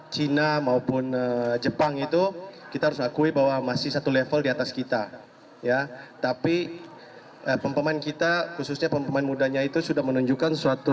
termasuk ajang yang paling dekat yaitu indonesia terbuka